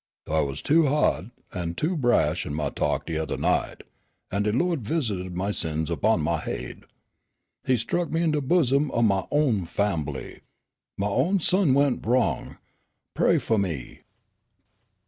I was too ha'd an' too brash in my talk de othah night, an' de Lawd visited my sins upon my haid. He struck me in de bosom o' my own fambly. My own son went wrong. Pray fu' me!"